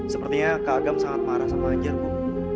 sepertinya kak agam sangat marah sama anjar bu